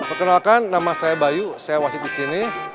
perkenalkan nama saya bayu saya wasit di sini